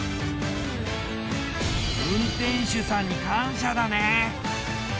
運転手さんに感謝だね。